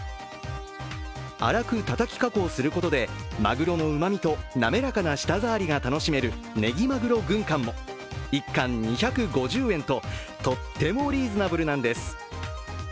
粗くたたき加工することでまぐろのうまみと滑らかな舌触りが楽しめるねぎまぐろ軍艦も１貫２５０円と、とってもリーズナブルなんです。